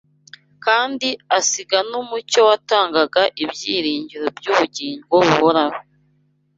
kandi asiga n’umucyo watangaga ibyiringiro by’ubugingo buhoraho